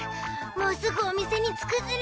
もうすぐお店に着くズラ。